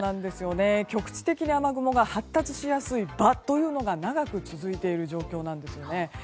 局地的に雨雲が発達しやすい場というのが長く続いている状況です。